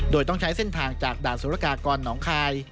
โดยต้องใช้เส้นทางจากด่านสุรกากรหนองคาย